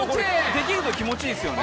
できると気持ちいいですよね。